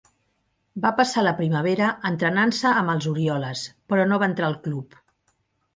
Va passar la primavera entrenant-se amb els Orioles, però no va entrar al club.